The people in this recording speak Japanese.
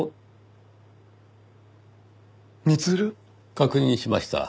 確認しました。